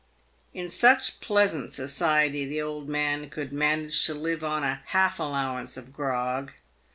In such pleasant society the old man could manage to live on a half allowance of grog.